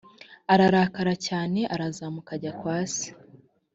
ararakara cyane arazamuka ajya kwa se